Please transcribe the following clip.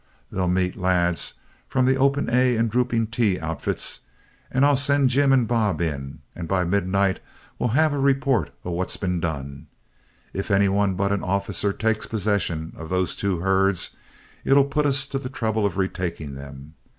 They'll meet lads from the 'Open A' and 'Drooping T' outfits; and I'll send Jim and Bob in, and by midnight we'll have a report of what's been done. If any one but an officer takes possession of those two herds, it'll put us to the trouble of retaking them.